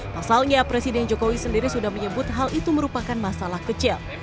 pasalnya presiden jokowi sendiri sudah menyebut hal itu merupakan masalah kecil